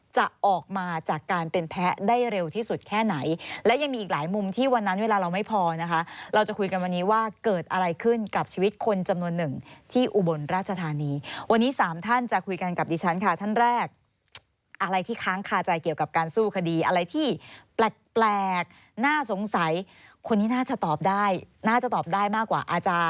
จะออกมาจากการเป็นแพ้ได้เร็วที่สุดแค่ไหนและยังมีอีกหลายมุมที่วันนั้นเวลาเราไม่พอนะคะเราจะคุยกันวันนี้ว่าเกิดอะไรขึ้นกับชีวิตคนจำนวนหนึ่งที่อุบลราชธานีวันนี้สามท่านจะคุยกันกับดิฉันค่ะท่านแรกอะไรที่ค้างคาใจเกี่ยวกับการสู้คดีอะไรที่แปลกน่าสงสัยคนนี้น่าจะตอบได้น่าจะตอบได้มากกว่าอาจารย์